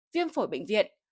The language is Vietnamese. viêm phổi bệnh viện